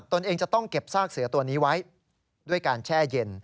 ตัวเองจะต้องเก็บซากเสือตัวนี้ไว้ด้วยการแช่เย็น